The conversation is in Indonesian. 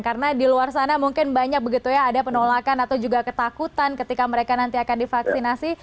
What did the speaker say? karena di luar sana mungkin banyak begitu ya ada penolakan atau juga ketakutan ketika mereka nanti akan divaksinasi